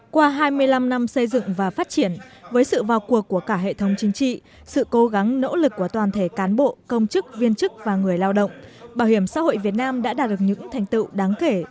qua hai mươi năm năm xây dựng và phát triển với sự vào cuộc của cả hệ thống chính trị sự cố gắng nỗ lực của toàn thể cán bộ công chức viên chức và người lao động bảo hiểm xã hội việt nam đã đạt được những thành tựu đáng kể